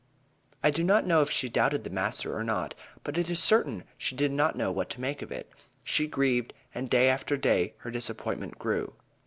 I do not know if she doubted the master or not; but it is certain she did not know what to make of it. She grieved, and day after day her disappointment grew.